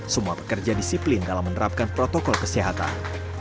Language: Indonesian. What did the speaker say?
semua pekerja disiplin dalam menerapkan protokol kesehatan